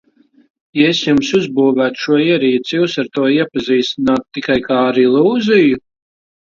Ja es jums uzbūvētu šo ierīci, jūs ar to iepazīstinātu tikai kā ar ilūziju?